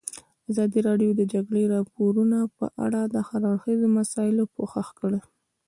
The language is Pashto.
ازادي راډیو د د جګړې راپورونه په اړه د هر اړخیزو مسایلو پوښښ کړی.